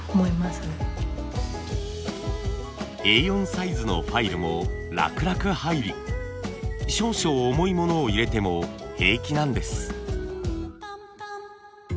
Ａ４サイズのファイルも楽々入り少々重い物を入れても平気なんです。